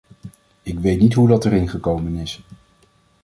Ik weet niet hoe dat erin gekomen is.